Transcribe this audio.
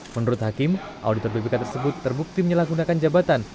menurut hakim auditor bpk tersebut terbukti menyalahgunakan jabatan